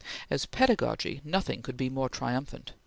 As pedagogy, nothing could be more triumphant.